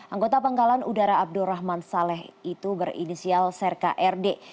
anggota pangkalan udara abdurrahman saleh itu berinisial serka rd